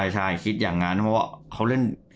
ใช่คิดอย่างนั้นเพราะว่าเขาเล่น